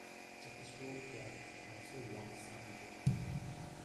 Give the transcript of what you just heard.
Czechoslovakia also won seven games.